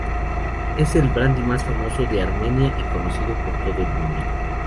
Es el brandy más famoso de Armenia y es conocido por todo el mundo.